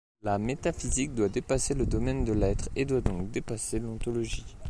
La métaphysique doit dépasser le domaine de l'être et doit donc dépasser l'ontologie.